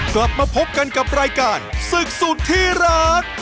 กลับมาพบกันกับรายการศึกสุดที่รัก